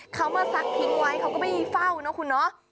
เขามาซักทิ้งไว้เขาก็ไม่เฝ้านะคุณเนาะ